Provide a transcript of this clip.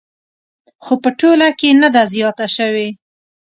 خو په ټوله کې نه ده زیاته شوې